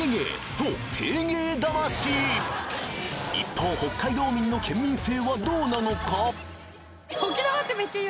そう一方北海道民の県民性はどうなのか？